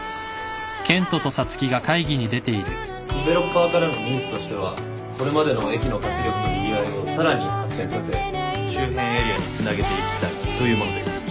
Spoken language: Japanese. デベロッパーからのニーズとしてはこれまでの駅の活力とにぎわいをさらに発展させ周辺エリアにつなげていきたいというものです。